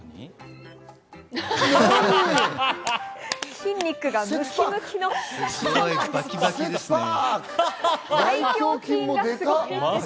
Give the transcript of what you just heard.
筋肉がムキムキのパンなんです。